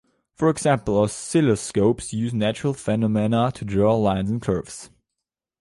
For example, oscilloscopes use natural phenomena to draw lines and curves.